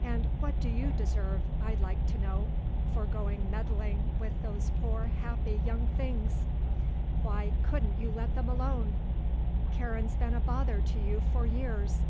"And what do you deserve, I'd like to know, for going meddling with those poor happy young things? Why couldn't you let them alone? Karen's been a bother to you for years.